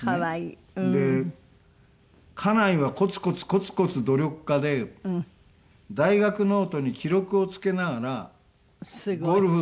家内はコツコツコツコツ努力家で大学ノートに記録をつけながらゴルフ